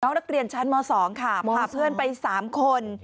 นักเรียนชั้นม๒ค่ะพาเพื่อนไป๓คน